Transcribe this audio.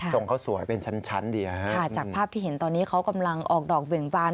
ส่งเขาสวยเป็นชั้นชั้นเดียวค่ะจากภาพที่เห็นตอนนี้เขากำลังออกดอกเบี่ยงบาน